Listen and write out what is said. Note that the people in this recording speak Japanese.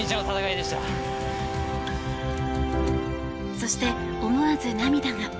そして、思わず涙が。